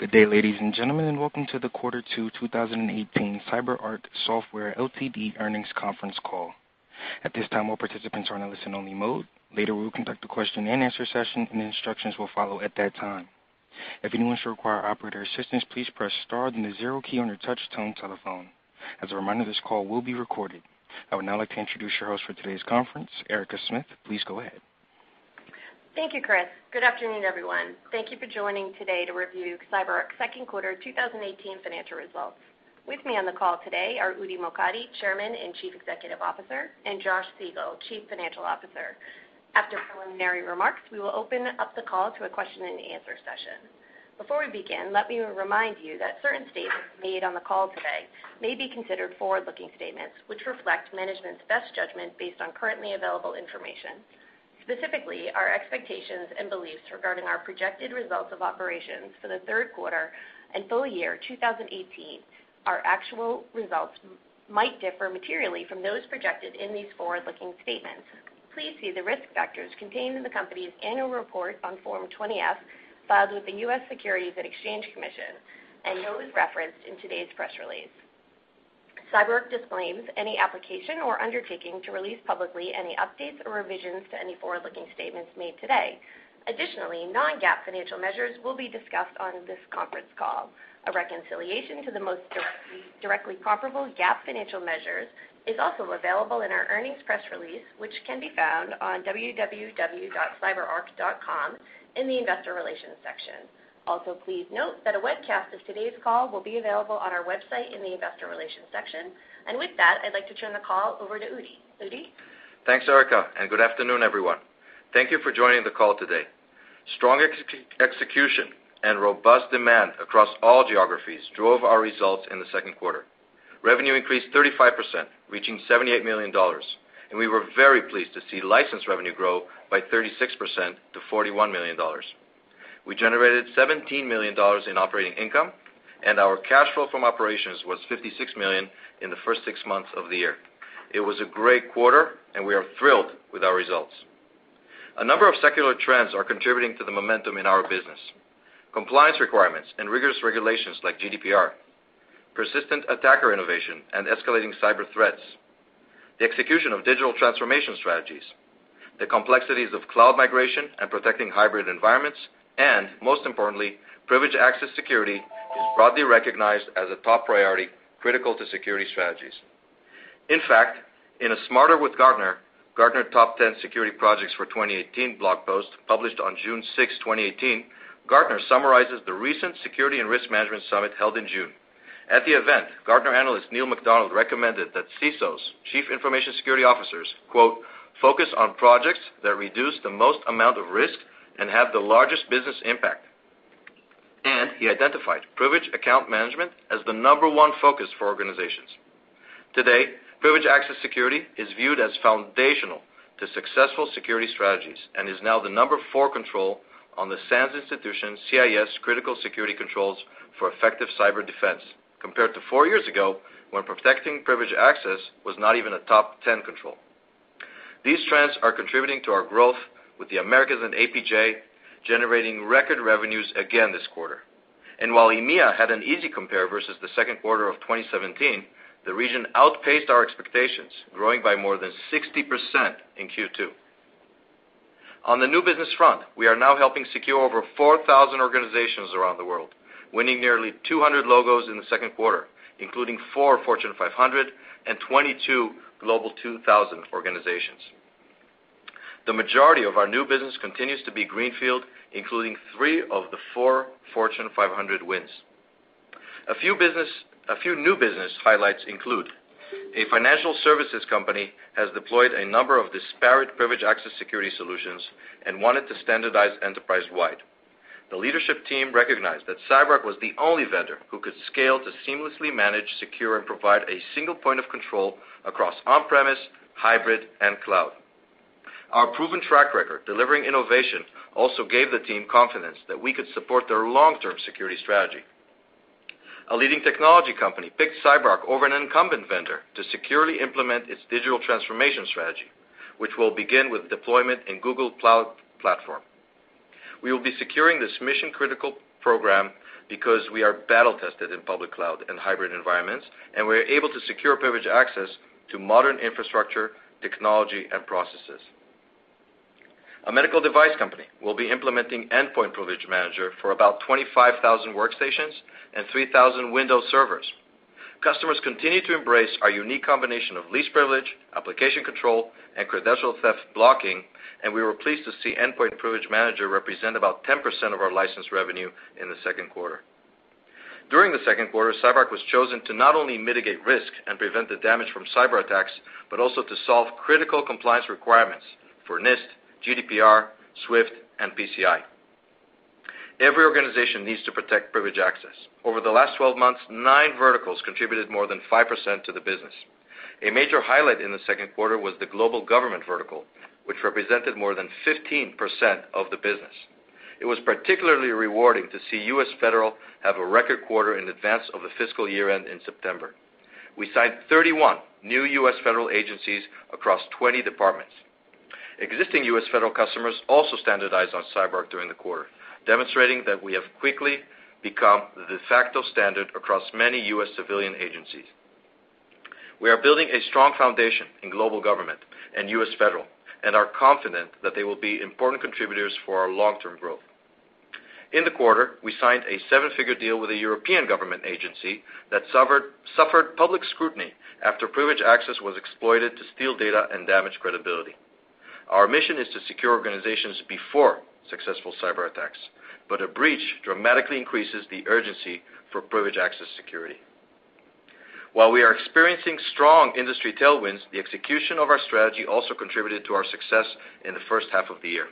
Good day, ladies and gentlemen, and welcome to the quarter two 2018 CyberArk Software Ltd earnings conference call. At this time, all participants are in a listen only mode. Later, we will conduct a question and answer session, and instructions will follow at that time. If anyone should require operator assistance, please press star then the zero key on your touch tone telephone. As a reminder, this call will be recorded. I would now like to introduce your host for today's conference, Erica Smith. Please go ahead. Thank you, Chris. Good afternoon, everyone. Thank you for joining today to review CyberArk's second quarter 2018 financial results. With me on the call today are Udi Mokady, Chairman and Chief Executive Officer, and Josh Siegel, Chief Financial Officer. After preliminary remarks, we will open up the call to a question and answer session. Before we begin, let me remind you that certain statements made on the call today may be considered forward-looking statements, which reflect management's best judgment based on currently available information. Specifically, our expectations and beliefs regarding our projected results of operations for the third quarter and full year 2018. Our actual results might differ materially from those projected in these forward-looking statements. Please see the risk factors contained in the company's annual report on Form 20-F filed with the U.S. Securities and Exchange Commission, and those referenced in today's press release. CyberArk disclaims any application or undertaking to release publicly any updates or revisions to any forward-looking statements made today. Additionally, non-GAAP financial measures will be discussed on this conference call. A reconciliation to the most directly comparable GAAP financial measures is also available in our earnings press release, which can be found on cyberark.com in the investor relations section. With that, I'd like to turn the call over to Udi. Udi? Thanks, Erica, and good afternoon, everyone. Thank you for joining the call today. Strong execution and robust demand across all geographies drove our results in the second quarter. Revenue increased 35%, reaching $78 million. We were very pleased to see license revenue grow by 36% to $41 million. We generated $17 million in operating income, and our cash flow from operations was $56 million in the first six months of the year. It was a great quarter and we are thrilled with our results. A number of secular trends are contributing to the momentum in our business. Compliance requirements and rigorous regulations like GDPR, persistent attacker innovation and escalating cyber threats, the execution of digital transformation strategies, the complexities of cloud migration and protecting hybrid environments, and most importantly, privileged access security is broadly recognized as a top priority critical to security strategies. In fact, in a Smarter with Gartner Top 10 Security Projects for 2018 blog post published on June 6, 2018, Gartner summarizes the recent security and risk management summit held in June. At the event, Gartner analyst Neil MacDonald recommended that CISOs, chief information security officers, "Focus on projects that reduce the most amount of risk and have the largest business impact." He identified privileged account management as the number one focus for organizations. Today, privileged access security is viewed as foundational to successful security strategies and is now the number four control on the SANS Institute's CIS Critical Security Controls for Effective Cyber Defense, compared to four years ago, when protecting privileged access was not even a top 10 control. These trends are contributing to our growth with the Americas and APJ generating record revenues again this quarter. While EMEA had an easy compare versus the second quarter of 2017, the region outpaced our expectations, growing by more than 60% in Q2. On the new business front, we are now helping secure over 4,000 organizations around the world, winning nearly 200 logos in the second quarter, including four Fortune 500 and 22 Global 2000 organizations. The majority of our new business continues to be greenfield, including three of the four Fortune 500 wins. A few new business highlights include a financial services company has deployed a number of disparate privileged access security solutions and wanted to standardize enterprise-wide. The leadership team recognized that CyberArk was the only vendor who could scale to seamlessly manage, secure and provide a single point of control across on-premise, hybrid, and cloud. Our proven track record delivering innovation also gave the team confidence that we could support their long-term security strategy. A leading technology company picked CyberArk over an incumbent vendor to securely implement its digital transformation strategy, which will begin with deployment in Google Cloud Platform. We will be securing this mission-critical program because we are battle tested in public cloud and hybrid environments, and we're able to secure privileged access to modern infrastructure, technology, and processes. A medical device company will be implementing Endpoint Privilege Manager for about 25,000 workstations and 3,000 Windows servers. Customers continue to embrace our unique combination of least privilege, application control, and credential theft blocking, and we were pleased to see Endpoint Privilege Manager represent about 10% of our licensed revenue in the second quarter. During the second quarter, CyberArk was chosen to not only mitigate risk and prevent the damage from cyberattacks, but also to solve critical compliance requirements for NIST, GDPR, SWIFT, and PCI. Every organization needs to protect privileged access. Over the last 12 months, nine verticals contributed more than 5% to the business. A major highlight in the second quarter was the global government vertical, which represented more than 15% of the business. It was particularly rewarding to see U.S. Federal have a record quarter in advance of the fiscal year-end in September. We signed 31 new U.S. federal agencies across 20 departments. Existing U.S. federal customers also standardized on CyberArk during the quarter, demonstrating that we have quickly become the de facto standard across many U.S. civilian agencies. We are building a strong foundation in global government and U.S. federal and are confident that they will be important contributors for our long-term growth. In the quarter, we signed a seven-figure deal with a European government agency that suffered public scrutiny after privileged access was exploited to steal data and damage credibility. Our mission is to secure organizations before successful cyber attacks, a breach dramatically increases the urgency for privileged access security. While we are experiencing strong industry tailwinds, the execution of our strategy also contributed to our success in the first half of the year.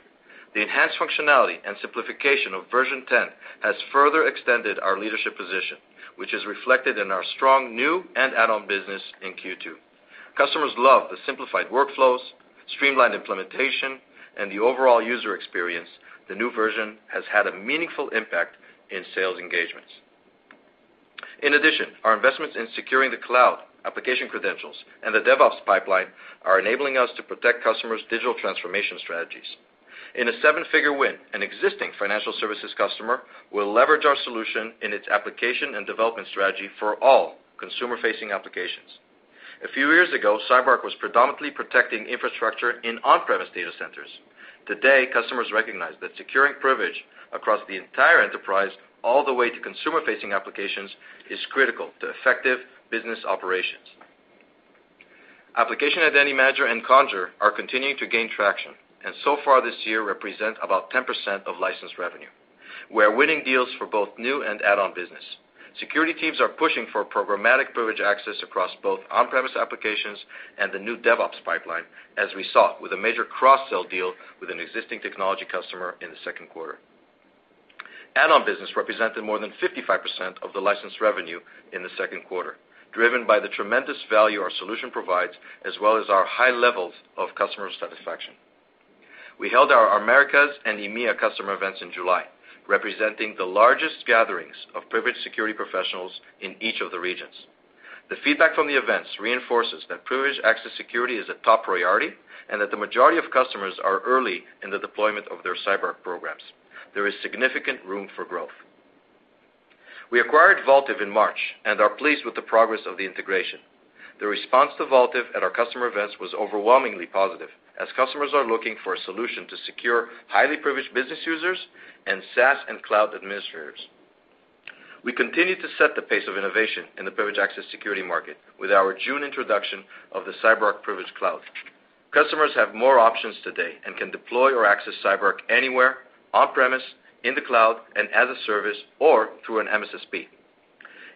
The enhanced functionality and simplification of version 10 has further extended our leadership position, which is reflected in our strong new and add-on business in Q2. Customers love the simplified workflows, streamlined implementation, and the overall user experience. The new version has had a meaningful impact in sales engagements. In addition, our investments in securing the cloud application credentials and the DevOps pipeline are enabling us to protect customers' digital transformation strategies. In a seven-figure win, an existing financial services customer will leverage our solution in its application and development strategy for all consumer-facing applications. A few years ago, CyberArk was predominantly protecting infrastructure in on-premise data centers. Today, customers recognize that securing privilege across the entire enterprise, all the way to consumer-facing applications, is critical to effective business operations. Application Identity Manager and Conjur are continuing to gain traction and so far this year represent about 10% of licensed revenue. We're winning deals for both new and add-on business. Security teams are pushing for programmatic privileged access across both on-premise applications and the new DevOps pipeline, as we saw with a major cross-sell deal with an existing technology customer in the second quarter. Add-on business represented more than 55% of the licensed revenue in the second quarter, driven by the tremendous value our solution provides, as well as our high levels of customer satisfaction. We held our Americas and EMEA customer events in July, representing the largest gatherings of privilege security professionals in each of the regions. The feedback from the events reinforces that privileged access security is a top priority and that the majority of customers are early in the deployment of their CyberArk programs. There is significant room for growth. We acquired Vaultive in March and are pleased with the progress of the integration. The response to Vaultive at our customer events was overwhelmingly positive as customers are looking for a solution to secure highly privileged business users and SaaS and cloud administrators. We continue to set the pace of innovation in the privileged access security market with our June introduction of the CyberArk Privileged Cloud. Customers have more options today and can deploy or access CyberArk anywhere on-premise, in the cloud, and as a service, or through an MSSP.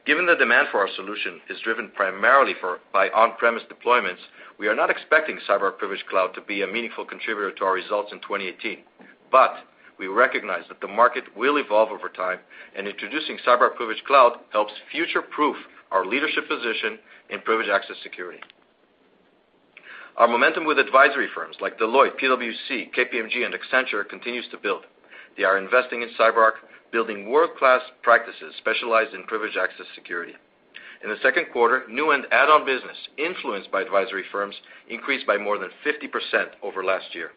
Given the demand for our solution is driven primarily by on-premise deployments, we are not expecting CyberArk Privileged Cloud to be a meaningful contributor to our results in 2018. We recognize that the market will evolve over time, and introducing CyberArk Privileged Cloud helps future-proof our leadership position in privileged access security. Our momentum with advisory firms like Deloitte, PwC, KPMG, and Accenture continues to build. They are investing in CyberArk, building world-class practices specialized in privileged access security. In the second quarter, new and add-on business influenced by advisory firms increased by more than 50% over last year,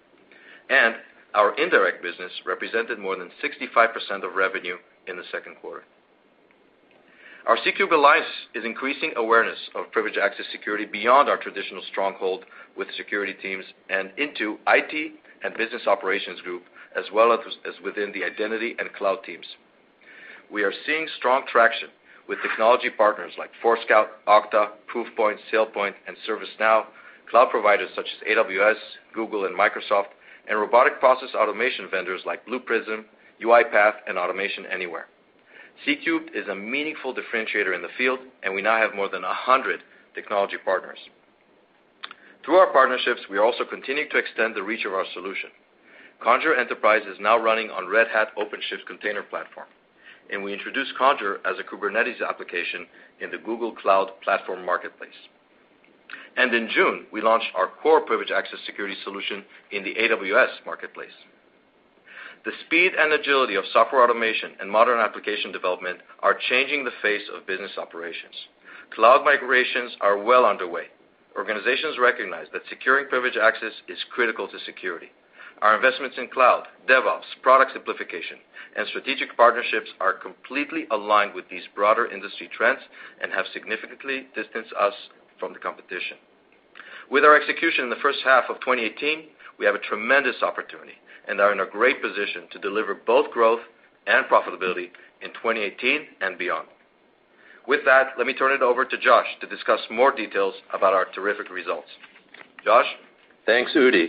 and our indirect business represented more than 65% of revenue in the second quarter. Our C³ Alliance is increasing awareness of privileged access security beyond our traditional stronghold with security teams and into IT and business operations group, as well as within the identity and cloud teams. We are seeing strong traction with technology partners like Forescout, Okta, Proofpoint, SailPoint, and ServiceNow, cloud providers such as AWS, Google, and Microsoft, and robotic process automation vendors like Blue Prism, UiPath, and Automation Anywhere. C³ is a meaningful differentiator in the field, and we now have more than 100 technology partners. Through our partnerships, we also continue to extend the reach of our solution. Conjur Enterprise is now running on Red Hat OpenShift Container Platform, and we introduced Conjur as a Kubernetes application in the Google Cloud Platform marketplace. In June, we launched our Core Privileged Access Security solution in the AWS marketplace. The speed and agility of software automation and modern application development are changing the face of business operations. Cloud migrations are well underway. Organizations recognize that securing privileged access is critical to security. Our investments in cloud, DevOps, product simplification, and strategic partnerships are completely aligned with these broader industry trends and have significantly distanced us from the competition. With our execution in the first half of 2018, we have a tremendous opportunity and are in a great position to deliver both growth and profitability in 2018 and beyond. With that, let me turn it over to Josh to discuss more details about our terrific results. Josh? Thanks, Udi.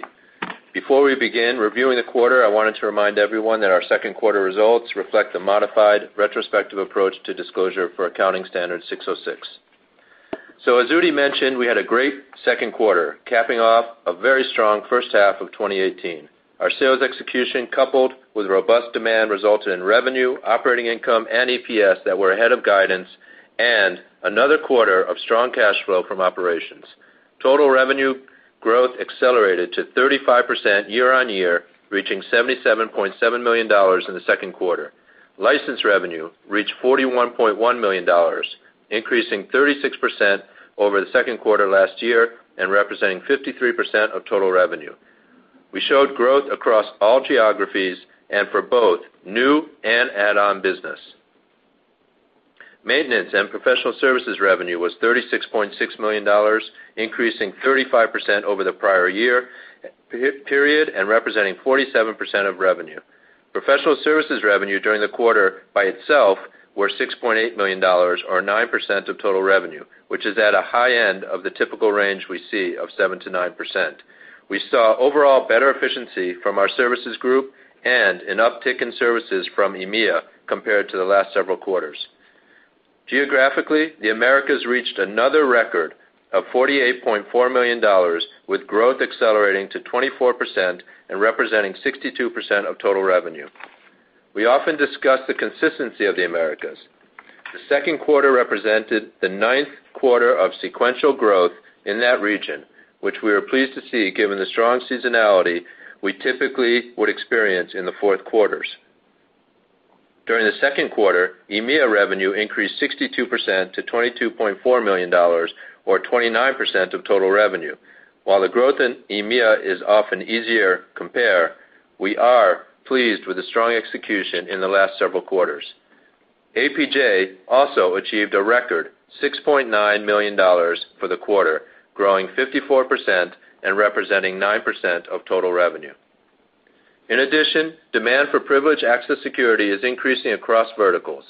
Before we begin reviewing the quarter, I wanted to remind everyone that our second quarter results reflect the modified retrospective approach to disclosure for Accounting Standard 606. As Udi mentioned, we had a great second quarter, capping off a very strong first half of 2018. Our sales execution, coupled with robust demand, resulted in revenue, operating income, and EPS that were ahead of guidance and another quarter of strong cash flow from operations. Total revenue growth accelerated to 35% year-over-year, reaching $77.7 million in the second quarter. License revenue reached $41.1 million, increasing 36% over the second quarter last year and representing 53% of total revenue. We showed growth across all geographies and for both new and add-on business. Maintenance and professional services revenue was $36.6 million, increasing 35% over the prior year period and representing 47% of revenue. Professional services revenue during the quarter by itself were $6.8 million, or 9% of total revenue, which is at a high end of the typical range we see of 7%-9%. We saw overall better efficiency from our services group and an uptick in services from EMEA compared to the last several quarters. Geographically, the Americas reached another record of $48.4 million, with growth accelerating to 24% and representing 62% of total revenue. We often discuss the consistency of the Americas. The second quarter represented the ninth quarter of sequential growth in that region, which we are pleased to see given the strong seasonality we typically would experience in the fourth quarters. During the second quarter, EMEA revenue increased 62% to $22.4 million, or 29% of total revenue. While the growth in EMEA is often easier compare, we are pleased with the strong execution in the last several quarters. APJ also achieved a record $6.9 million for the quarter, growing 54% and representing 9% of total revenue. In addition, demand for privileged access security is increasing across verticals.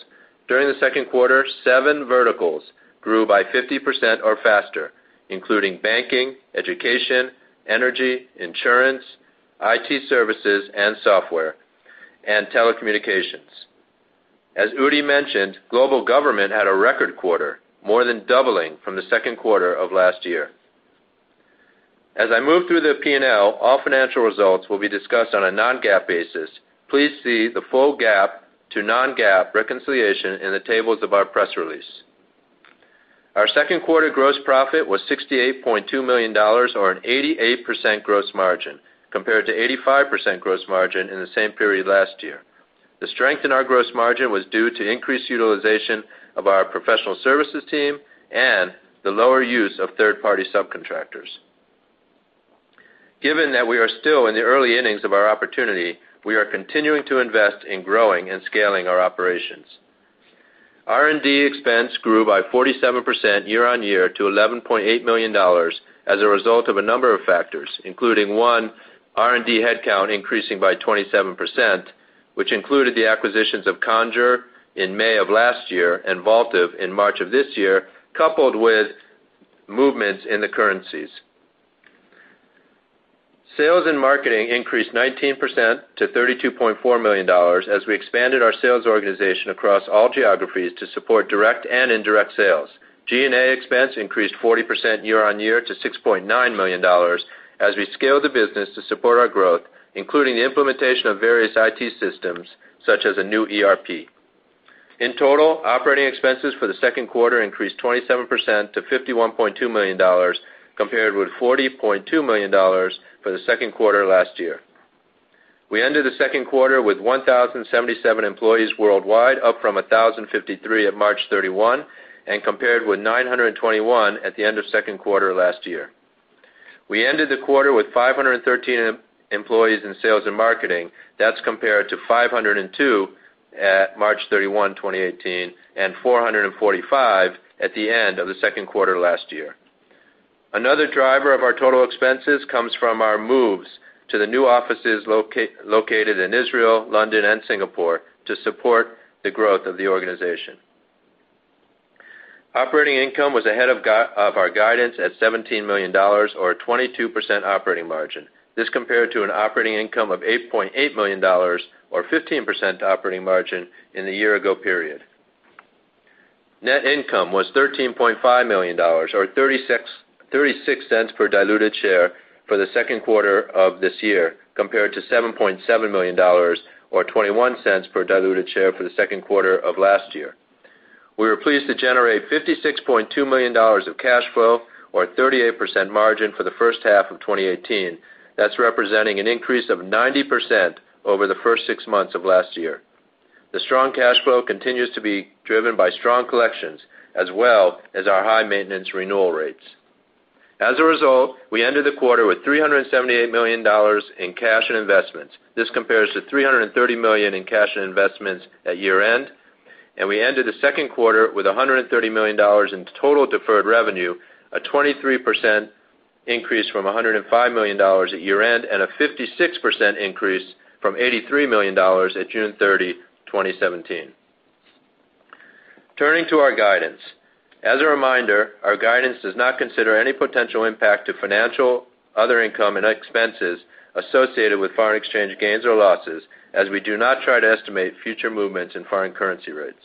During the second quarter, seven verticals grew by 50% or faster, including banking, education, energy, insurance, IT services and software, and telecommunications. As Udi mentioned, global government had a record quarter, more than doubling from the second quarter of last year. As I move through the P&L, all financial results will be discussed on a non-GAAP basis. Please see the full GAAP to non-GAAP reconciliation in the tables of our press release. Our second quarter gross profit was $68.2 million, or an 88% gross margin, compared to 85% gross margin in the same period last year. The strength in our gross margin was due to increased utilization of our professional services team and the lower use of third-party subcontractors. Given that we are still in the early innings of our opportunity, we are continuing to invest in growing and scaling our operations. R&D expense grew by 47% year-on-year to $11.8 million as a result of a number of factors, including one, R&D headcount increasing by 27%, which included the acquisitions of Conjur in May of last year and Vaultive in March of this year, coupled with movements in the currencies. Sales and marketing increased 19% to $32.4 million as we expanded our sales organization across all geographies to support direct and indirect sales. G&A expense increased 40% year-on-year to $6.9 million as we scale the business to support our growth, including the implementation of various IT systems such as a new ERP. In total, operating expenses for the second quarter increased 27% to $51.2 million, compared with $40.2 million for the second quarter last year. We ended the second quarter with 1,077 employees worldwide, up from 1,053 at March 31 and compared with 921 at the end of second quarter last year. We ended the quarter with 513 employees in sales and marketing. That's compared to 502 at March 31, 2018, and 445 at the end of the second quarter last year. Another driver of our total expenses comes from our moves to the new offices located in Israel, London, and Singapore to support the growth of the organization. Operating income was ahead of our guidance at $17 million, or a 22% operating margin. This compared to an operating income of $8.8 million, or 15% operating margin in the year-ago period. Net income was $13.5 million, or $0.36 per diluted share for the second quarter of this year, compared to $7.7 million or $0.21 per diluted share for the second quarter of last year. We were pleased to generate $56.2 million of cash flow or a 38% margin for the first half of 2018. That's representing an increase of 90% over the first six months of last year. The strong cash flow continues to be driven by strong collections as well as our high maintenance renewal rates. As a result, we ended the quarter with $378 million in cash and investments. This compares to $330 million in cash and investments at year-end, and we ended the second quarter with $130 million in total deferred revenue, a 23% increase from $105 million at year-end, and a 56% increase from $83 million at June 30, 2017. Turning to our guidance. As a reminder, our guidance does not consider any potential impact to financial, other income, and expenses associated with foreign exchange gains or losses, as we do not try to estimate future movements in foreign currency rates.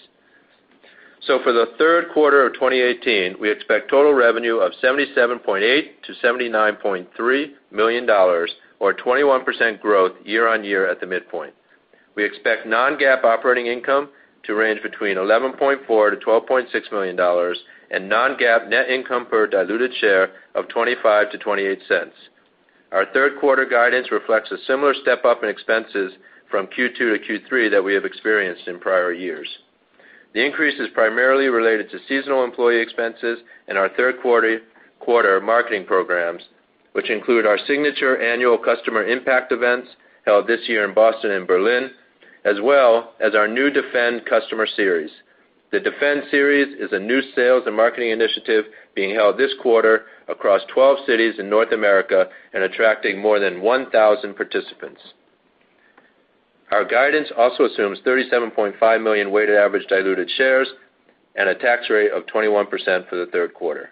For the third quarter of 2018, we expect total revenue of $77.8 million-$79.3 million, or 21% growth year-over-year at the midpoint. We expect non-GAAP operating income to range between $11.4 million-$12.6 million and non-GAAP net income per diluted share of $0.25-$0.28. Our third quarter guidance reflects a similar step-up in expenses from Q2 to Q3 that we have experienced in prior years. The increase is primarily related to seasonal employee expenses and our third quarter marketing programs, which include our signature annual customer impact events held this year in Boston and Berlin, as well as our new Defend Customer Series. The Defend Customer Series is a new sales and marketing initiative being held this quarter across 12 cities in North America and attracting more than 1,000 participants. Our guidance also assumes 37.5 million weighted average diluted shares and a tax rate of 21% for the third quarter.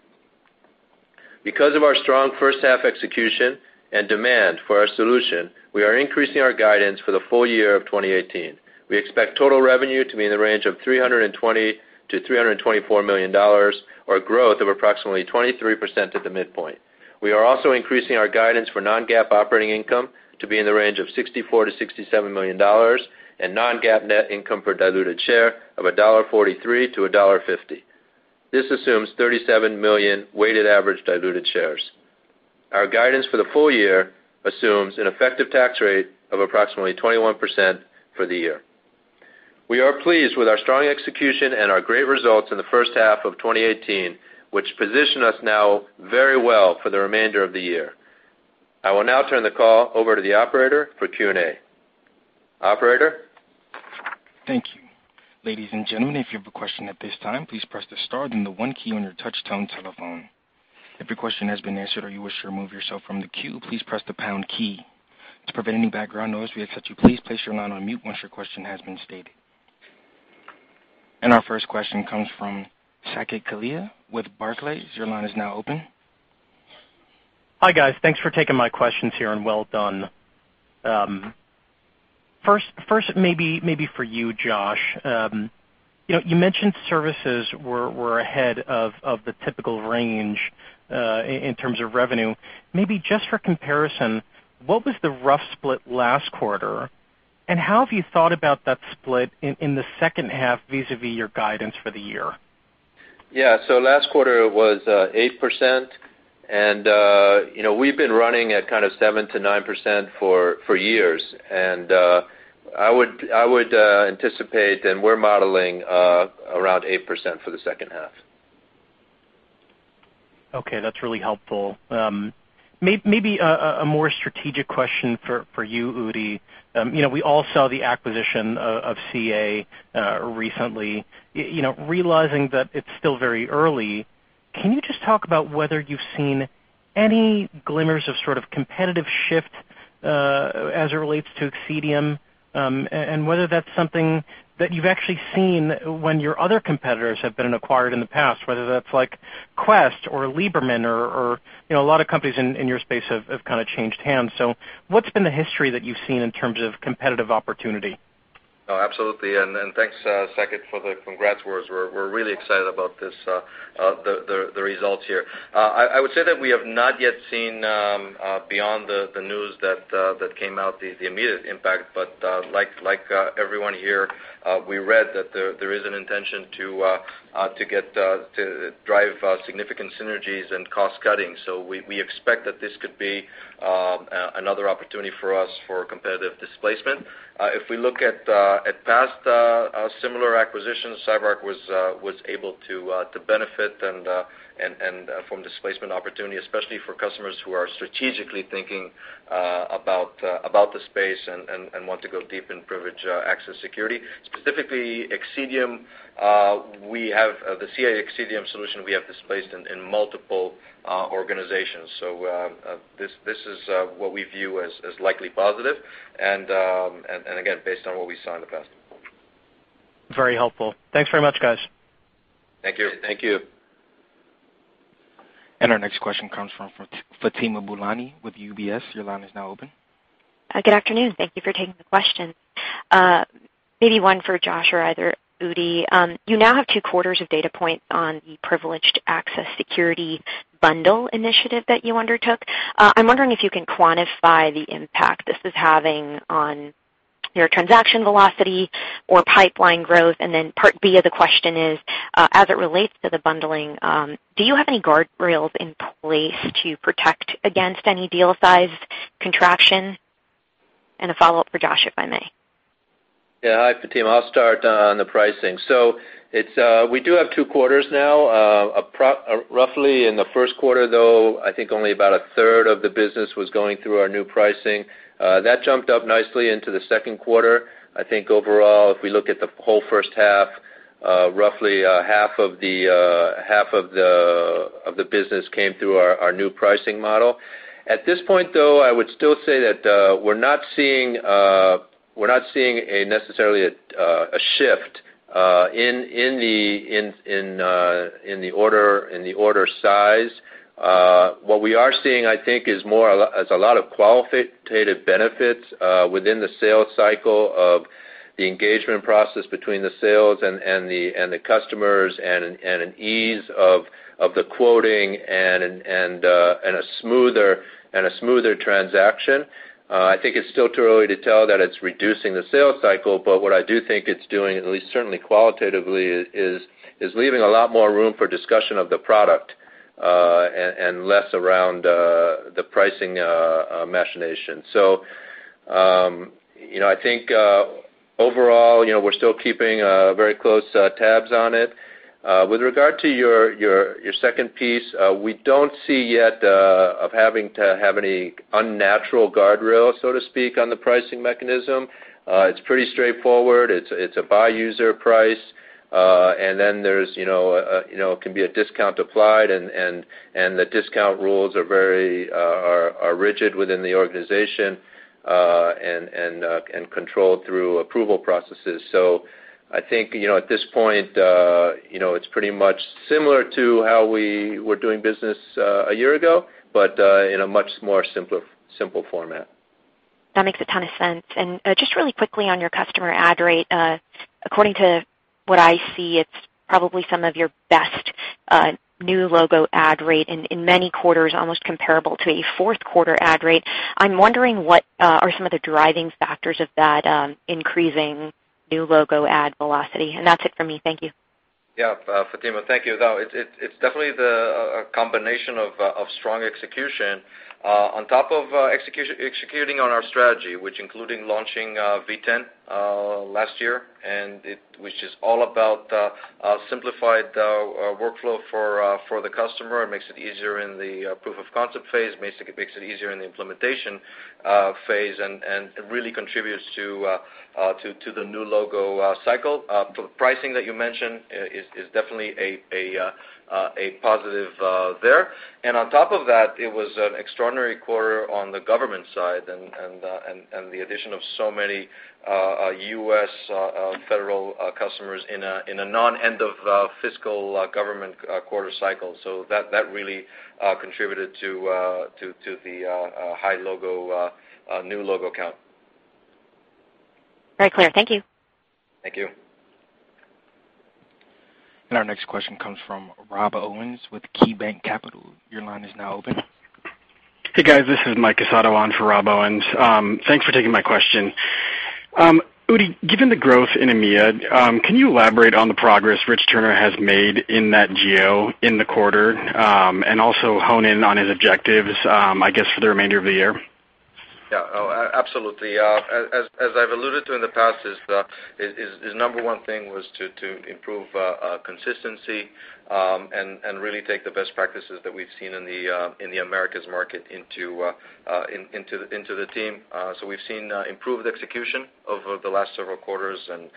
Because of our strong first-half execution and demand for our solution, we are increasing our guidance for the full year of 2018. We expect total revenue to be in the range of $320 million-$324 million, or growth of approximately 23% at the midpoint. We are also increasing our guidance for non-GAAP operating income to be in the range of $64 million-$67 million and non-GAAP net income per diluted share of $1.43-$1.50. This assumes 37 million weighted average diluted shares. Our guidance for the full year assumes an effective tax rate of approximately 21% for the year. We are pleased with our strong execution and our great results in the first half of 2018, which position us now very well for the remainder of the year. I will now turn the call over to the operator for Q&A. Operator? Thank you. Ladies and gentlemen, if you have a question at this time, please press the star then the one key on your touch tone telephone. If your question has been answered or you wish to remove yourself from the queue, please press the pound key. To prevent any background noise, we ask that you please place your line on mute once your question has been stated. Our first question comes from Saket Kalia with Barclays. Your line is now open. Hi, guys. Thanks for taking my questions here, and well done. First, maybe for you, Josh. You mentioned services were ahead of the typical range in terms of revenue. Maybe just for comparison, what was the rough split last quarter, and how have you thought about that split in the second half vis-a-vis your guidance for the year? Yeah. Last quarter was 8%, and we've been running at kind of 7%-9% for years. I would anticipate, and we're modeling around 8% for the second half. Okay. That's really helpful. Maybe a more strategic question for you, Udi. We all saw the acquisition of CA recently. Realizing that it's still very early, can you just talk about whether you've seen any glimmers of sort of competitive shift as it relates to Xceedium, and whether that's something that you've actually seen when your other competitors have been acquired in the past, whether that's like Quest or Lieberman or a lot of companies in your space have kind of changed hands. What's been the history that you've seen in terms of competitive opportunity? Oh, absolutely. Thanks, Saket, for the congrats words. We're really excited about the results here. I would say that we have not yet seen beyond the news that came out, the immediate impact. Like everyone here, we read that there is an intention to drive significant synergies and cost cutting. We expect that this could be another opportunity for us for competitive displacement. If we look at past similar acquisitions, CyberArk was able to benefit from displacement opportunity, especially for customers who are strategically thinking about the space and want to go deep in privileged access security. Specifically, Xceedium, the CA Xceedium solution, we have displaced in multiple organizations. This is what we view as likely positive, and again, based on what we saw in the past. Very helpful. Thanks very much, guys. Thank you. Thank you. Our next question comes from Fatima Boolani with UBS. Your line is now open. Good afternoon. Thank you for taking the question. Maybe one for Josh or Udi. You now have two quarters of data point on the privileged access security bundle initiative that you undertook. I'm wondering if you can quantify the impact this is having on your transaction velocity or pipeline growth. Part B of the question is, as it relates to the bundling, do you have any guardrails in place to protect against any deal size contraction? A follow-up for Josh, if I may. Hi, Fatima. I'll start on the pricing. We do have two quarters now. Roughly in the first quarter, though, I think only about a third of the business was going through our new pricing. That jumped up nicely into the second quarter. I think overall, if we look at the whole first half, roughly half of the business came through our new pricing model. At this point, though, I would still say that we're not seeing necessarily a shift in the order size. What we are seeing, I think, is a lot of qualitative benefits within the sales cycle of the engagement process between the sales and the customers and an ease of the quoting and a smoother transaction. I think it's still too early to tell that it's reducing the sales cycle, but what I do think it's doing, at least certainly qualitatively, is leaving a lot more room for discussion of the product. Less around the pricing machination. I think overall, we're still keeping very close tabs on it. With regard to your second piece, we don't see yet of having to have any unnatural guardrail, so to speak, on the pricing mechanism. It's pretty straightforward. It's a buy user price. There can be a discount applied. The discount rules are very rigid within the organization, controlled through approval processes. I think, at this point it's pretty much similar to how we were doing business a year ago, but in a much more simple format. That makes a ton of sense. Just really quickly on your customer add rate, according to what I see, it's probably some of your best new logo add rate in many quarters, almost comparable to a fourth quarter add rate. I'm wondering, what are some of the driving factors of that increasing new logo add velocity? That's it for me. Thank you. Fatima, thank you, though. It's definitely the combination of strong execution. On top of executing on our strategy, which including launching v10 last year, which is all about simplified workflow for the customer and makes it easier in the proof of concept phase, makes it easier in the implementation phase, and really contributes to the new logo cycle. Pricing that you mentioned is definitely a positive there. On top of that, it was an extraordinary quarter on the government side and the addition of so many U.S. federal customers in a non-end of fiscal government quarter cycle. That really contributed to the high new logo count. Very clear. Thank you. Thank you. Our next question comes from Rob Owens with KeyBanc Capital. Your line is now open. Hey, guys, this is Michael Casado on for Rob Owens. Thanks for taking my question. Udi, given the growth in EMEA, can you elaborate on the progress Rich Turner has made in that geo in the quarter? Also hone in on his objectives, I guess, for the remainder of the year. Yeah. Oh, absolutely. As I've alluded to in the past, his number one thing was to improve consistency, and really take the best practices that we've seen in the Americas market into the team. We've seen improved execution over the last several quarters and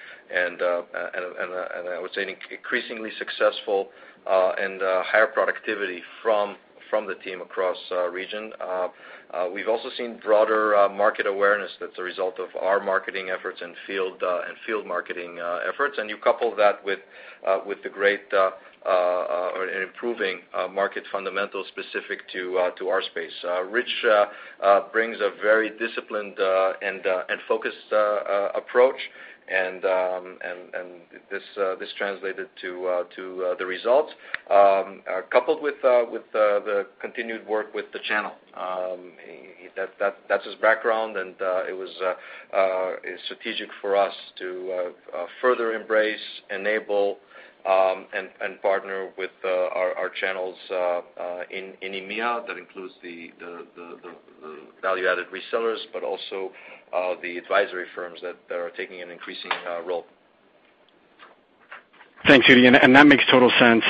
I would say an increasingly successful and higher productivity from the team across our region. We've also seen broader market awareness that's a result of our marketing efforts and field marketing efforts. You couple that with the great or improving market fundamentals specific to our space. Rich brings a very disciplined and focused approach and this translated to the results, coupled with the continued work with the channel. That's his background, and it was strategic for us to further embrace, enable, and partner with our channels in EMEA. That includes the value-added resellers, but also the advisory firms that are taking an increasing role. Thanks, Udi, that makes total sense.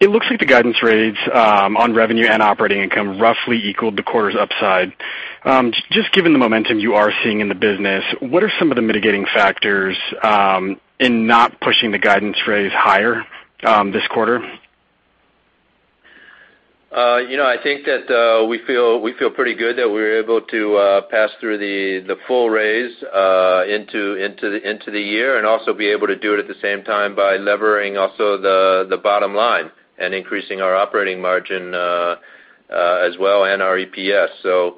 It looks like the guidance rates on revenue and operating income roughly equaled the quarter's upside. Just given the momentum you are seeing in the business, what are some of the mitigating factors in not pushing the guidance rates higher this quarter? I think that we feel pretty good that we're able to pass through the full raise into the year and also be able to do it at the same time by levering also the bottom line and increasing our operating margin as well and our EPS.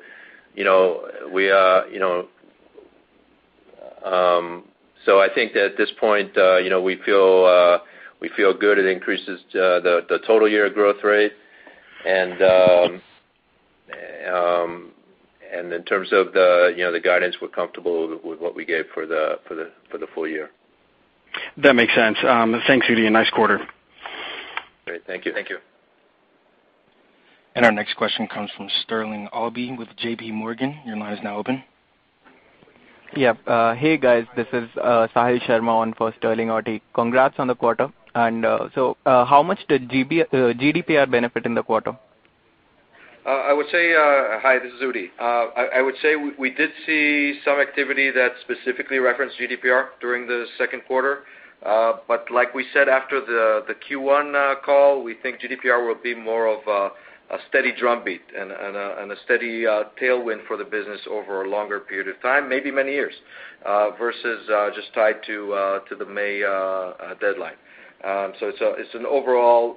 I think that at this point we feel good. It increases the total year growth rate. In terms of the guidance, we're comfortable with what we gave for the full year. That makes sense. Thanks, Udi. Nice quarter. Great. Thank you. Our next question comes from Sterling Auty with JP Morgan. Your line is now open. Yeah. Hey, guys, this is Sahil Sharma on for Sterling Auty. Congrats on the quarter. How much did GDPR benefit in the quarter? Hi, this is Udi. I would say we did see some activity that specifically referenced GDPR during the second quarter. Like we said, after the Q1 call, we think GDPR will be more of a steady drumbeat and a steady tailwind for the business over a longer period of time, maybe many years, versus just tied to the May deadline. It's an overall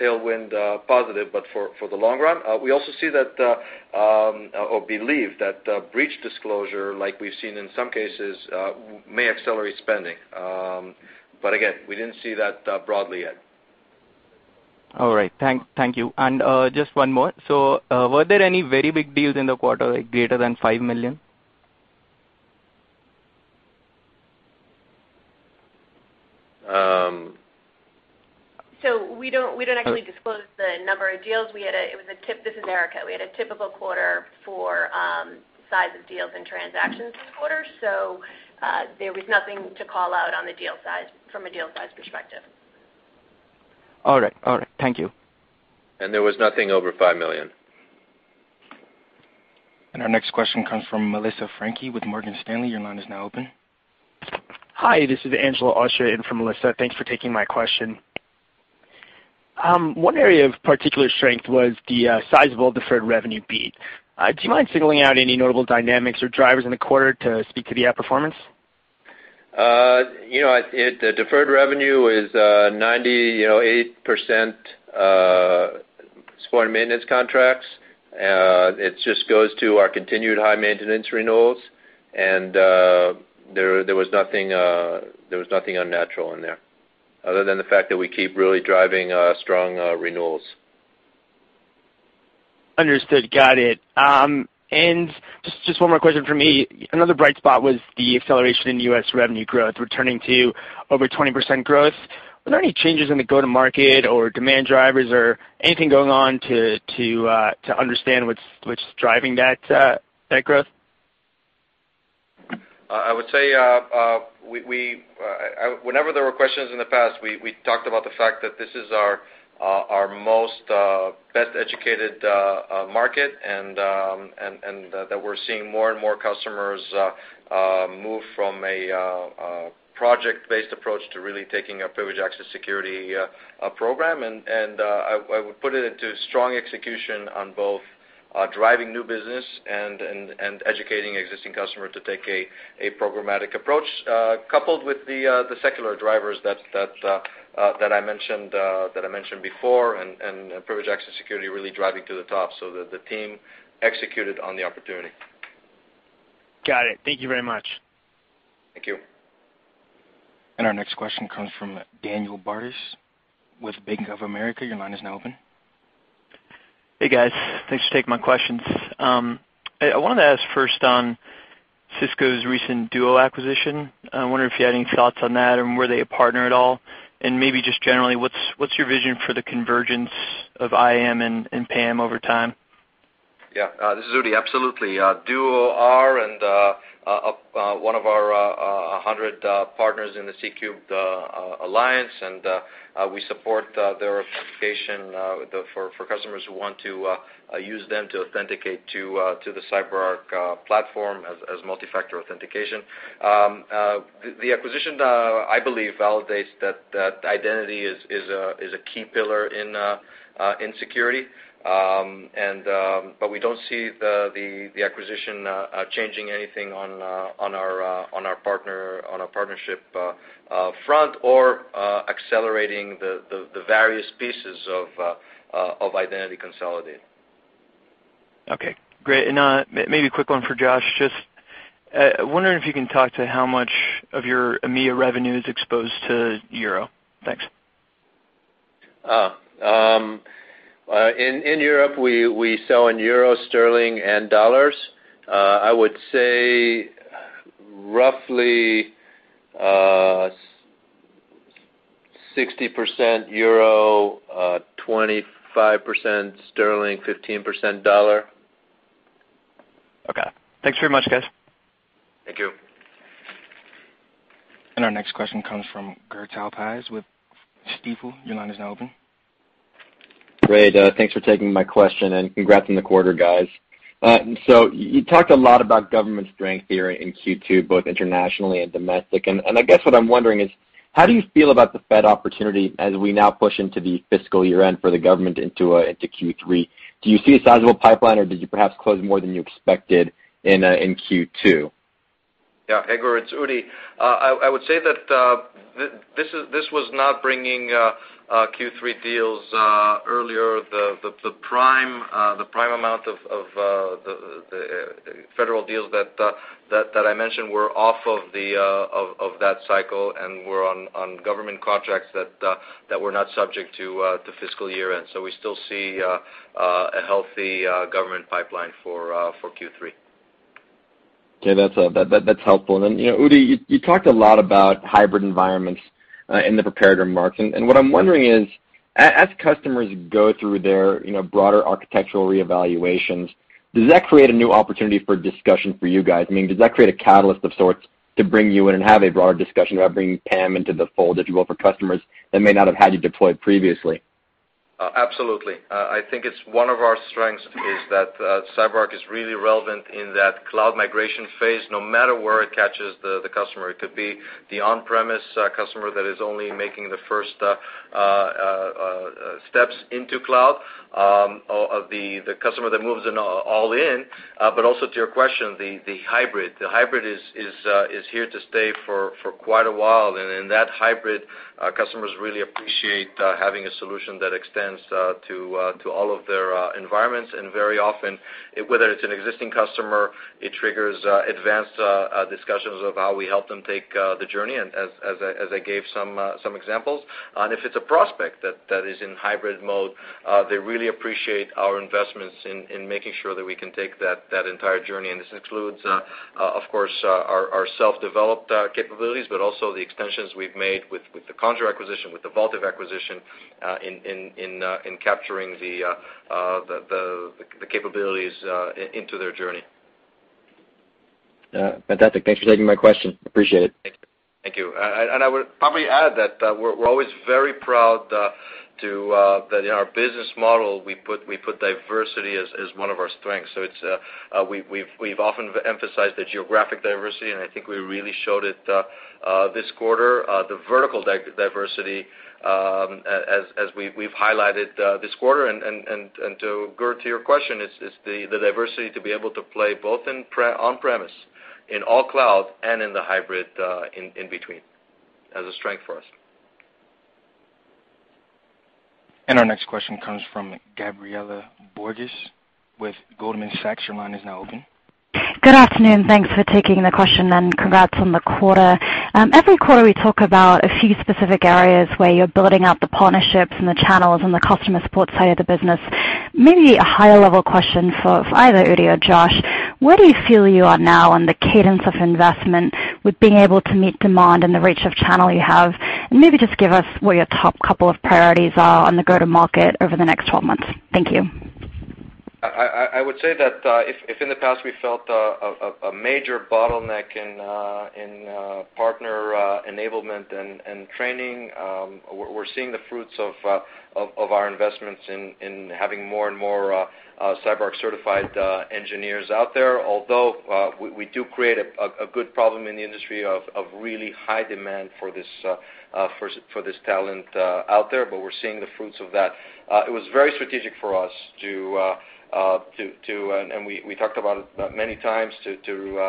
tailwind positive, but for the long run. We also see that or believe that breach disclosure, like we've seen in some cases, may accelerate spending. Again, we didn't see that broadly yet. All right. Thank you. Just one more. Were there any very big deals in the quarter, like greater than $5 million? We don't actually disclose the number of deals. This is Erica. We had a typical quarter for size of deals and transactions this quarter. There was nothing to call out from a deal size perspective. All right. Thank you. There was nothing over $5 million. Our next question comes from Melissa Franchi with Morgan Stanley. Your line is now open. Hi, this is Anjelo Austira in for Melissa. Thanks for taking my question. One area of particular strength was the sizable deferred revenue beat. Do you mind singling out any notable dynamics or drivers in the quarter to speak to the outperformance? The deferred revenue is 98% support and maintenance contracts. It just goes to our continued high maintenance renewals. There was nothing unnatural in there, other than the fact that we keep really driving strong renewals. Understood. Got it. Just one more question from me. Another bright spot was the acceleration in U.S. revenue growth, returning to over 20% growth. Were there any changes in the go-to-market or demand drivers or anything going on to understand what's driving that growth? I would say, whenever there were questions in the past, we talked about the fact that this is our most best-educated market and that we're seeing more and more customers move from a project-based approach to really taking a Privileged Access Security program. I would put it into strong execution on both driving new business and educating existing customer to take a programmatic approach, coupled with the secular drivers that I mentioned before, and Privileged Access Security really driving to the top so that the team executed on the opportunity. Got it. Thank you very much. Thank you. Our next question comes from Daniel Bartus with Bank of America. Your line is now open. Hey, guys. Thanks for taking my questions. I wanted to ask first on Cisco's recent Duo acquisition. I wonder if you had any thoughts on that, were they a partner at all? Maybe just generally, what's your vision for the convergence of IAM and PAM over time? Yeah. This is Udi. Absolutely. Duo are one of our 100 partners in the C³ Alliance, we support their authentication for customers who want to use them to authenticate to the CyberArk platform as multi-factor authentication. The acquisition, I believe, validates that identity is a key pillar in security. We don't see the acquisition changing anything on our partnership front or accelerating the various pieces of identity consolidate. Okay, great. Maybe a quick one for Josh. Just wondering if you can talk to how much of your EMEA revenue is exposed to euro. Thanks. In Europe, we sell in euro, sterling, and dollars. I would say roughly 60% EUR, 25% GBP, 15% USD. Okay. Thanks very much, guys. Thank you. Our next question comes from Gur Talpaz with Stifel. Your line is now open. Great. Thanks for taking my question, and congrats on the quarter, guys. You talked a lot about government strength here in Q2, both internationally and domestic. I guess what I'm wondering is: How do you feel about the Fed opportunity as we now push into the fiscal year-end for the government into Q3? Do you see a sizable pipeline, or did you perhaps close more than you expected in Q2? Yeah, Gur, it's Udi. I would say that this was not bringing Q3 deals earlier. The prime amount of the federal deals that I mentioned were off of that cycle and were on government contracts that were not subject to fiscal year-end. We still see a healthy government pipeline for Q3. Okay. That's helpful. Udi, you talked a lot about hybrid environments in the prepared remarks. What I'm wondering is: As customers go through their broader architectural reevaluations, does that create a new opportunity for discussion for you guys? I mean, does that create a catalyst of sorts to bring you in and have a broader discussion about bringing PAM into the fold, if you will, for customers that may not have had you deployed previously? Absolutely. I think it's one of our strengths is that CyberArk is really relevant in that cloud migration phase, no matter where it catches the customer. It could be the on-premise customer that is only making the first steps into cloud, or the customer that moves all in. Also to your question, the hybrid. The hybrid is here to stay for quite a while. In that hybrid, customers really appreciate having a solution that extends to all of their environments. Very often, whether it's an existing customer, it triggers advanced discussions of how we help them take the journey, as I gave some examples. If it's a prospect that is in hybrid mode, they really appreciate our investments in making sure that we can take that entire journey. This includes, of course, our self-developed capabilities, but also the extensions we've made with the Conjur acquisition, with the Vaultive acquisition, in capturing the capabilities into their journey. Yeah. Fantastic. Thanks for taking my question. Appreciate it. Thank you. I would probably add that we're always very proud that in our business model, we put diversity as one of our strengths. We've often emphasized the geographic diversity, and I think we really showed it this quarter, the vertical diversity as we've highlighted this quarter. To, Gur, your question is the diversity to be able to play both on-premise, in all cloud and in the hybrid in between, as a strength for us. Our next question comes from Gabriela Borges with Goldman Sachs. Your line is now open. Good afternoon. Thanks for taking the question, and congrats on the quarter. Every quarter, we talk about a few specific areas where you're building out the partnerships and the channels and the customer support side of the business. Maybe a higher level question for either Udi or Josh. Where do you feel you are now on the cadence of investment with being able to meet demand and the reach of channel you have? Maybe just give us where your top couple of priorities are on the go-to-market over the next 12 months. Thank you. I would say that if in the past we felt a major bottleneck in partner enablement and training, we're seeing the fruits of our investments in having more and more CyberArk certified engineers out there. Although we do create a good problem in the industry of really high demand for this talent out there, we're seeing the fruits of that. It was very strategic for us, and we talked about it many times, to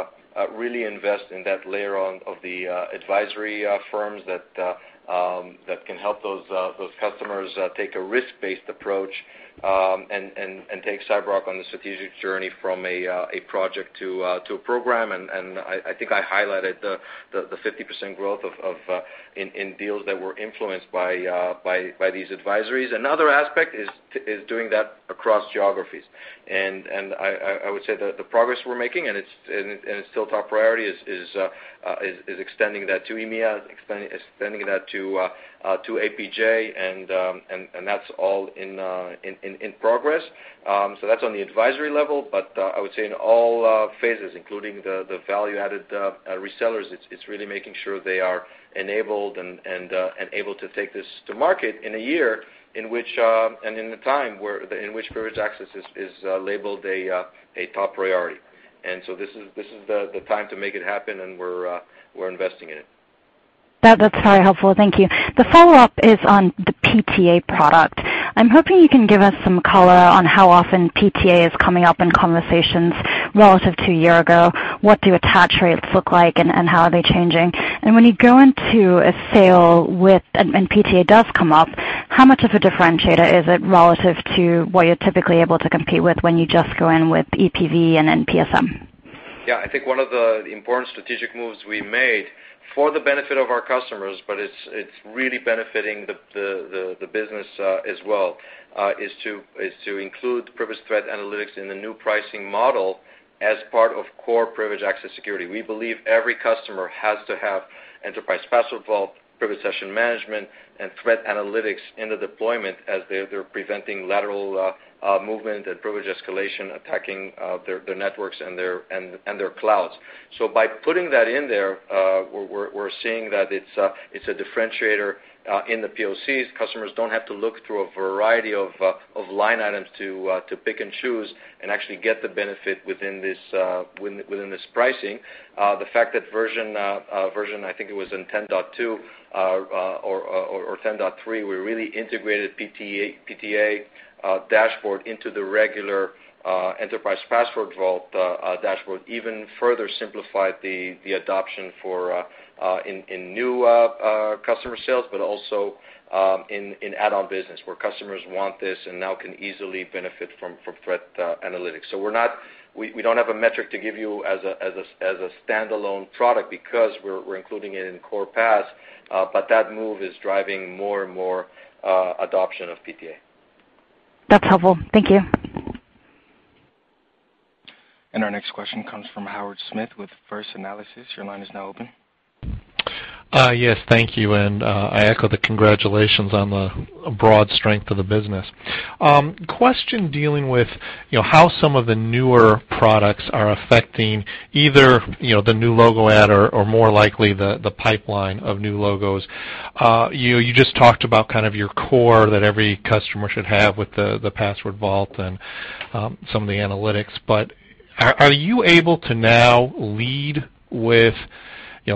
really invest in that layer of the advisory firms that can help those customers take a risk-based approach and take CyberArk on the strategic journey from a project to a program. I think I highlighted the 50% growth in deals that were influenced by these advisories. Another aspect is doing that across geographies. I would say that the progress we're making, and it's still top priority, is extending that to EMEA, extending that to APJ, and that's all in progress. That's on the advisory level, but I would say in all phases, including the value-added resellers, it's really making sure they are enabled and able to take this to market in a year and in the time in which privileged access is labeled a top priority. This is the time to make it happen, and we're investing in it. That's very helpful. Thank you. The follow-up is on the PTA product. I'm hoping you can give us some color on how often PTA is coming up in conversations relative to a year ago. What do attach rates look like, and how are they changing? When you go into a sale and PTA does come up, how much of a differentiator is it relative to what you're typically able to compete with when you just go in with EPV and then PSM? Yeah, I think one of the important strategic moves we made for the benefit of our customers, but it's really benefiting the business as well, is to include Privileged Threat Analytics in the new pricing model as part of Core Privileged Access Security. We believe every customer has to have Enterprise Password Vault, Privileged Session Management, and Threat Analytics in the deployment as they're preventing lateral movement and privilege escalation attacking their networks and their clouds. By putting that in there, we're seeing that it's a differentiator in the POCs. Customers don't have to look through a variety of line items to pick and choose and actually get the benefit within this pricing. The fact that version, I think it was in 10.2 or 10.3, we really integrated PTA dashboard into the regular Enterprise Password Vault dashboard even further simplified the adoption in new customer sales, but also in add-on business where customers want this and now can easily benefit from Threat Analytics. We don't have a metric to give you as a standalone product because we're including it in Core PAS, but that move is driving more and more adoption of PTA. That's helpful. Thank you. Our next question comes from Howard Smith with First Analysis. Your line is now open. Yes. Thank you, I echo the congratulations on the broad strength of the business. Question dealing with how some of the newer products are affecting either the new logo add or more likely the pipeline of new logos. You just talked about your core that every customer should have with the password vault and some of the analytics. Are you able to now lead with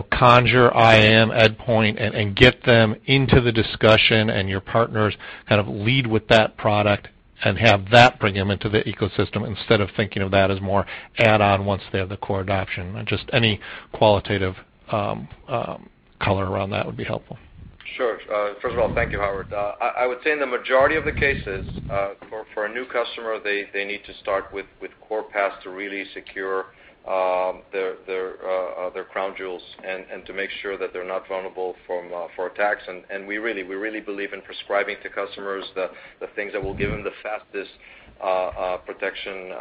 Conjur, IAM, Endpoint and get them into the discussion and your partners lead with that product and have that bring them into the ecosystem instead of thinking of that as more add-on once they have the core adoption? Just any qualitative color around that would be helpful. Sure. First of all, thank you, Howard. I would say in the majority of the cases, for a new customer, they need to start with Core PAS to really secure their crown jewels and to make sure that they're not vulnerable for attacks. We really believe in prescribing to customers the things that will give them the fastest protection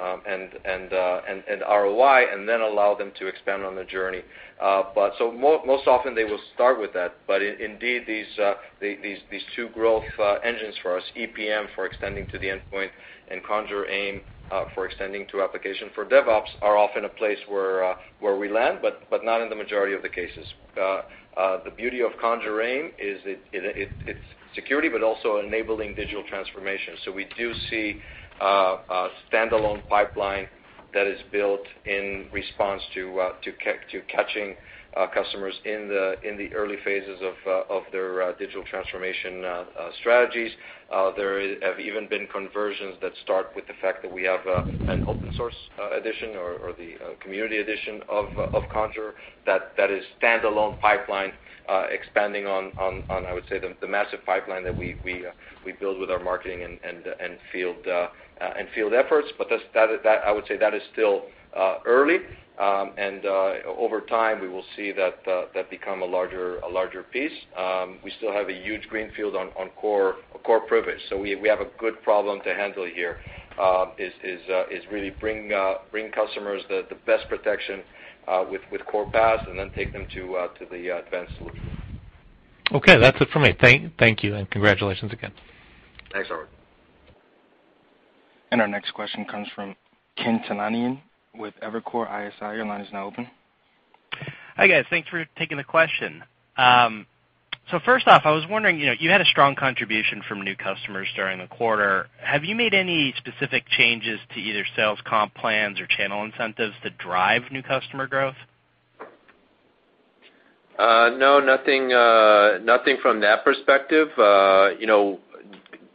and ROI, then allow them to expand on their journey. Most often they will start with that. Indeed, these two growth engines for us, EPM for extending to the endpoint and Conjur AIM for extending to application for DevOps are often a place where we land, but not in the majority of the cases. The beauty of Conjur AIM is its security, but also enabling digital transformation. We do see a standalone pipeline That is built in response to catching customers in the early phases of their digital transformation strategies. There have even been conversions that start with the fact that we have an open source edition or the community edition of Conjur that is standalone pipeline expanding on, I would say, the massive pipeline that we build with our marketing and field efforts. I would say that is still early, and over time we will see that become a larger piece. We still have a huge greenfield on core privilege. We have a good problem to handle here, is really bring customers the best protection with Core PAS and then take them to the advanced solution. Okay, that's it for me. Thank you, and congratulations again. Thanks, Howard. Our next question comes from Ken Talanian with Evercore ISI. Your line is now open. Hi, guys. Thanks for taking the question. First off, I was wondering, you had a strong contribution from new customers during the quarter. Have you made any specific changes to either sales comp plans or channel incentives to drive new customer growth? No, nothing from that perspective.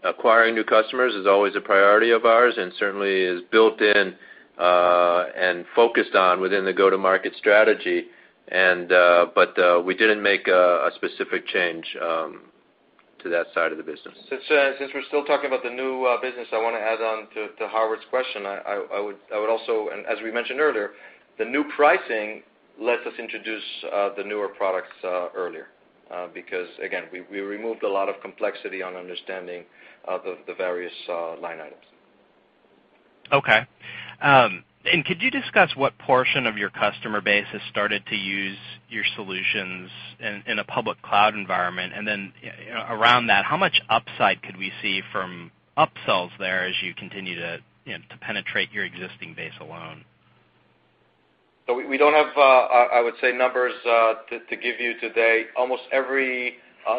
Acquiring new customers is always a priority of ours and certainly is built in and focused on within the go-to-market strategy. We didn't make a specific change to that side of the business. Since we're still talking about the new business, I want to add on to Howard's question. I would also, and as we mentioned earlier, the new pricing lets us introduce the newer products earlier, because, again, we removed a lot of complexity on understanding of the various line items. Okay. Could you discuss what portion of your customer base has started to use your solutions in a public cloud environment? Then around that, how much upside could we see from upsells there as you continue to penetrate your existing base alone? We don't have, I would say, numbers to give you today. Almost every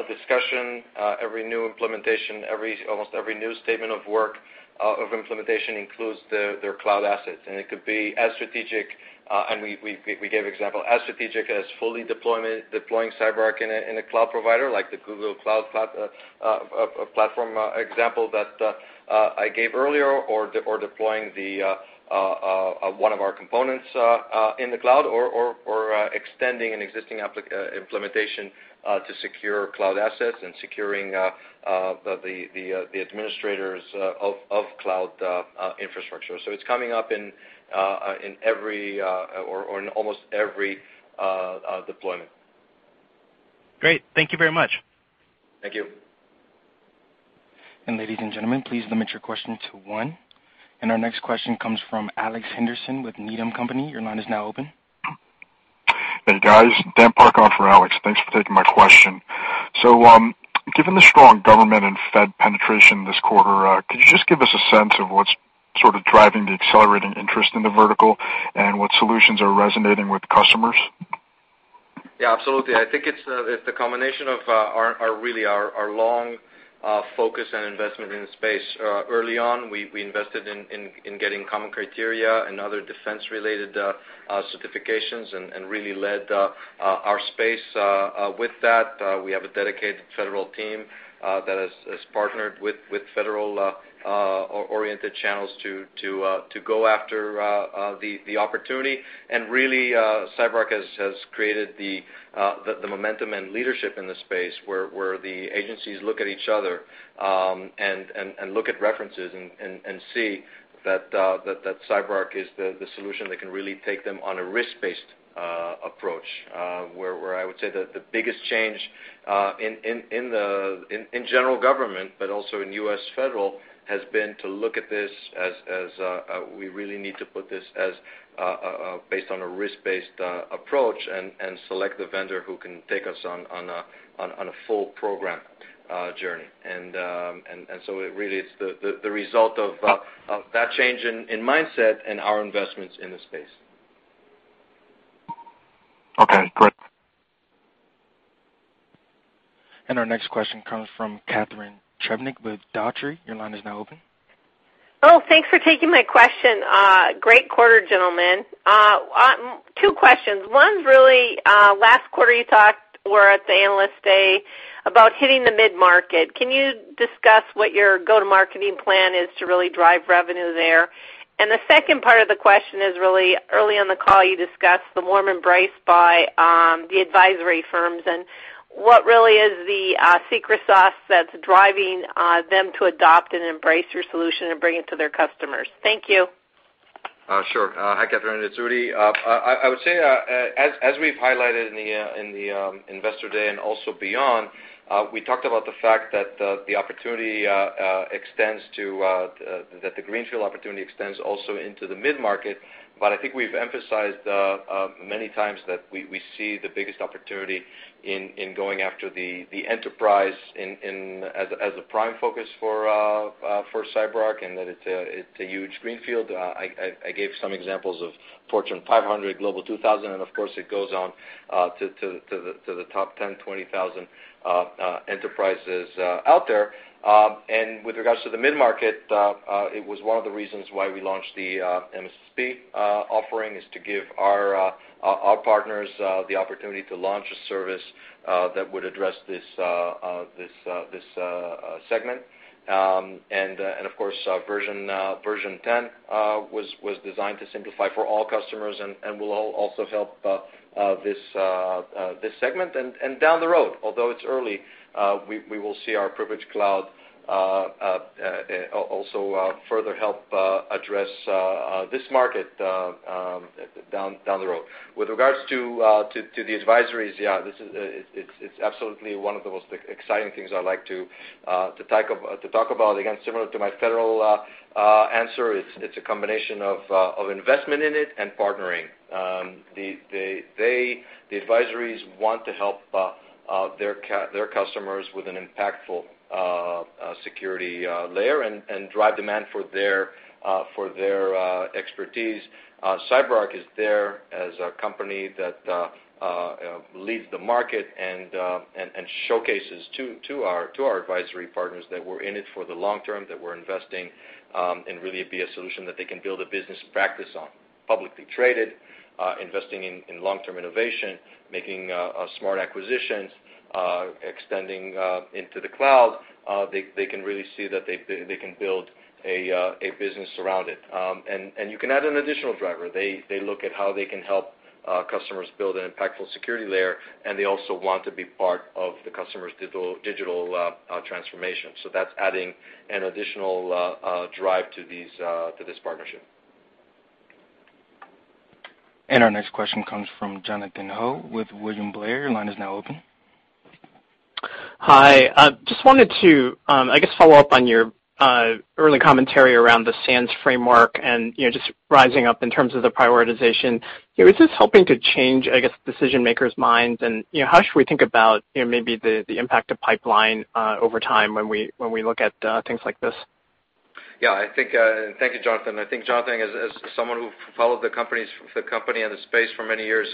discussion, every new implementation, almost every new statement of work of implementation includes their cloud assets, and it could be as strategic, and we gave example, as strategic as fully deploying CyberArk in a cloud provider like the Google Cloud Platform example that I gave earlier, or deploying one of our components in the cloud or extending an existing implementation to secure cloud assets and securing the administrators of cloud infrastructure. It's coming up in every, or in almost every deployment. Great. Thank you very much. Thank you. Ladies and gentlemen, please limit your question to one. Our next question comes from Alex Henderson with Needham & Company. Your line is now open. Hey, guys. Dan Park on for Alex. Thanks for taking my question. Given the strong government and Fed penetration this quarter, could you just give us a sense of what's sort of driving the accelerating interest in the vertical and what solutions are resonating with customers? Yeah, absolutely. I think it's the combination of really our long focus and investment in the space. Early on, we invested in getting common criteria and other defense-related certifications and really led our space with that. We have a dedicated federal team that has partnered with federal-oriented channels to go after the opportunity. Really, CyberArk has created the momentum and leadership in the space, where the agencies look at each other and look at references and see that CyberArk is the solution that can really take them on a risk-based approach. Where I would say that the biggest change in general government, but also in U.S. federal, has been to look at this as we really need to put this based on a risk-based approach and select the vendor who can take us on a full program journey. Really, it's the result of that change in mindset and our investments in the space. Okay, great. Our next question comes from Catharine Trebnick with Dougherty. Your line is now open. Thanks for taking my question. Great quarter, gentlemen. Two questions. One's really, last quarter you talked, or at the Analyst Day, about hitting the mid-market. Can you discuss what your go-to-marketing plan is to really drive revenue there? The second part of the question is really, early in the call you discussed the warm embrace by the advisory firms. What really is the secret sauce that's driving them to adopt and embrace your solution and bring it to their customers? Thank you. Sure. Hi, Catharine, it's Udi. I would say, as we've highlighted in the Investor Day and also beyond, we talked about the fact that the greenfield opportunity extends also into the mid-market. I think we've emphasized many times that we see the biggest opportunity in going after the enterprise as a prime focus for CyberArk, and that it's a huge greenfield. I gave some examples of Fortune 500, Global 2000, and of course, it goes on to the top 10, 20,000 enterprises out there. With regards to the mid-market, it was one of the reasons why we launched the MSSP offering, is to give our partners the opportunity to launch a service that would address this segment. Of course, Version 10 was designed to simplify for all customers and will also help this segment. Down the road, although it's early, we will see our Privilege Cloud also further help address this market down the road. With regards to the advisories, yeah, it's absolutely one of the most exciting things I'd like to talk about. Again, similar to my federal answer, it's a combination of investment in it and partnering. The advisories want to help their customers with an impactful security layer and drive demand for their expertise. CyberArk is there as a company that leads the market and showcases to our advisory partners that we're in it for the long term, that we're investing, and really be a solution that they can build a business practice on. Publicly traded, investing in long-term innovation, making smart acquisitions, extending into the cloud. They can really see that they can build a business around it. You can add an additional driver. They look at how they can help customers build an impactful security layer, and they also want to be part of the customer's digital transformation. That's adding an additional drive to this partnership. Our next question comes from Jonathan Ho with William Blair. Your line is now open. Hi. Just wanted to, I guess, follow up on your early commentary around the SANS framework and just rising up in terms of the prioritization. Is this helping to change, I guess, decision-makers' minds? How should we think about maybe the impact of pipeline over time when we look at things like this? Yeah. Thank you, Jonathan. I think, Jonathan, as someone who followed the company and the space for many years,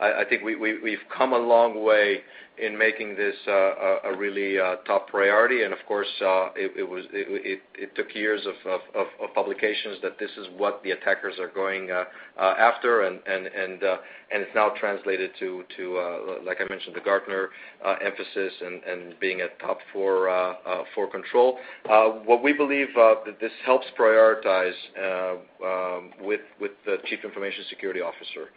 I think we've come a long way in making this a really top priority. Of course, it took years of publications that this is what the attackers are going after, and it's now translated to, like I mentioned, the Gartner emphasis and being a top four control. What we believe that this helps prioritize with the Chief Information Security Officer.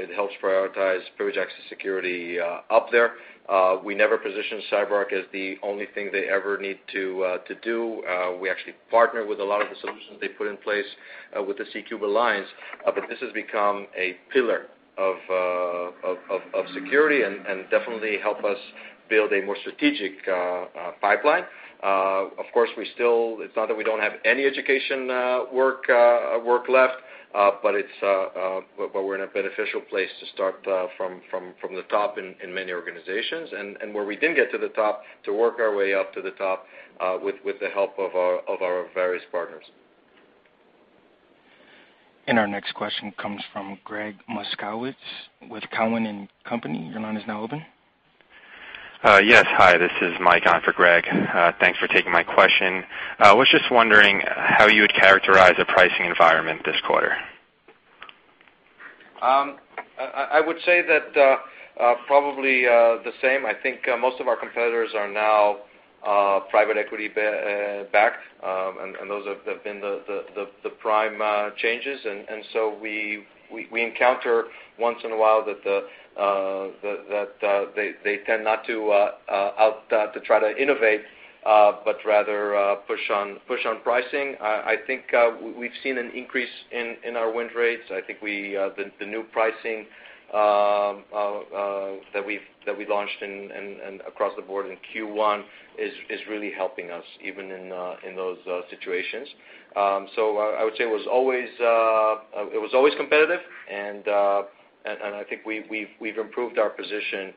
It helps prioritize Privileged Access Security up there. We never position CyberArk as the only thing they ever need to do. We actually partner with a lot of the solutions they put in place with the C³ Alliance. This has become a pillar of security and definitely help us build a more strategic pipeline. Of course, it's not that we don't have any education work left, but we're in a beneficial place to start from the top in many organizations. Where we didn't get to the top, to work our way up to the top with the help of our various partners. Our next question comes from Gregg Moskowitz with Cowen and Company. Your line is now open. Yes. Hi, this is Mike on for Gregg. Thanks for taking my question. I was just wondering how you would characterize the pricing environment this quarter. I would say that probably the same. I think most of our competitors are now private equity-backed, those have been the prime changes. We encounter once in a while that they tend not to try to innovate, but rather push on pricing. I think we've seen an increase in our win rates. I think the new pricing that we've launched across the board in Q1 is really helping us, even in those situations. I would say it was always competitive, and I think we've improved our position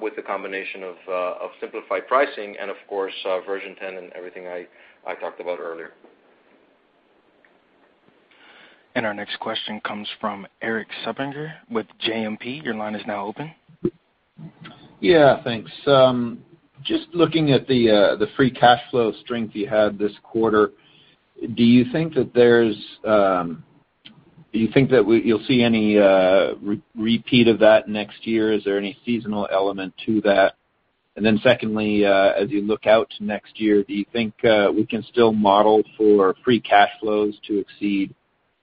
with the combination of simplified pricing and, of course, Version 10 and everything I talked about earlier. Our next question comes from Erik Suppiger with JMP. Your line is now open. Thanks. Just looking at the free cash flow strength you had this quarter, do you think that you'll see any repeat of that next year? Is there any seasonal element to that? Secondly, as you look out to next year, do you think we can still model for free cash flows to exceed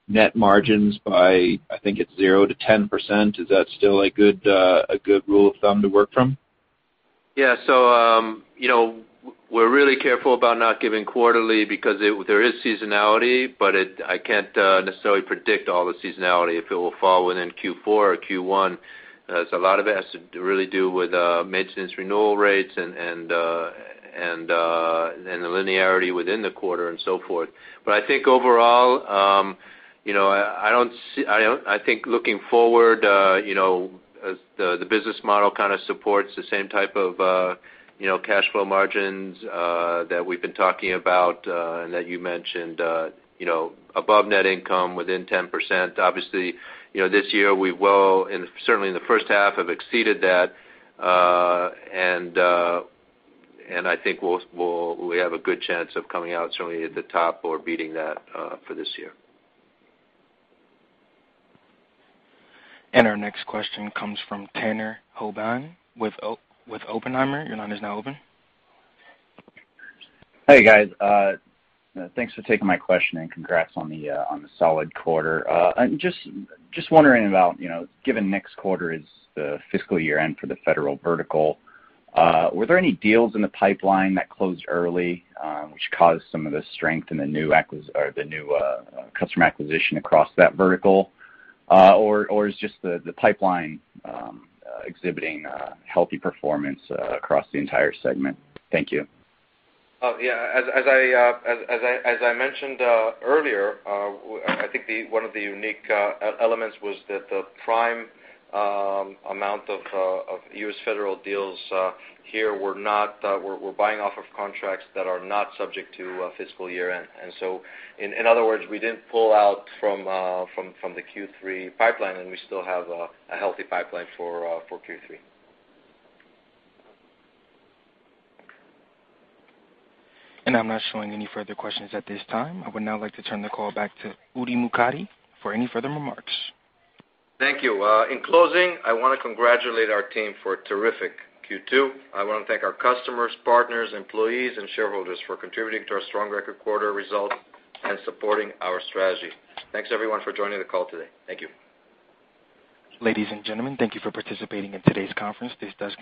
net margins by, I think it's 0-10%? Is that still a good rule of thumb to work from? We're really careful about not giving quarterly because there is seasonality, but I can't necessarily predict all the seasonality, if it will fall within Q4 or Q1. A lot of it has to really do with maintenance renewal rates and the linearity within the quarter and so forth. I think overall, looking forward, the business model kind of supports the same type of cash flow margins that we've been talking about and that you mentioned above net income within 10%. Obviously, this year we will, and certainly in the first half, have exceeded that. I think we have a good chance of coming out certainly at the top or beating that for this year. Our next question comes from Tanner Hoban with Oppenheimer. Your line is now open. Hey, guys. Thanks for taking my question. Congrats on the solid quarter. Just wondering about, given next quarter is the fiscal year-end for the federal vertical, were there any deals in the pipeline that closed early, which caused some of the strength in the new customer acquisition across that vertical? Is just the pipeline exhibiting healthy performance across the entire segment? Thank you. Yeah. As I mentioned earlier, I think one of the unique elements was that the prime amount of U.S. federal deals here were buying off of contracts that are not subject to a fiscal year-end. In other words, we didn't pull out from the Q3 pipeline, and we still have a healthy pipeline for Q3. I'm not showing any further questions at this time. I would now like to turn the call back to Udi Mokady for any further remarks. Thank you. In closing, I want to congratulate our team for a terrific Q2. I want to thank our customers, partners, employees, and shareholders for contributing to our strong record quarter results and supporting our strategy. Thanks, everyone, for joining the call today. Thank you. Ladies and gentlemen, thank you for participating in today's conference. This does conclude